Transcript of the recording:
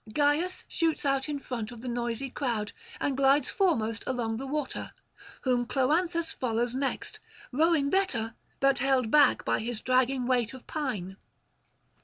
Gyas shoots out in front of the noisy crowd, and glides foremost along the water; whom Cloanthus follows next, rowing better, but held back by his dragging weight of pine.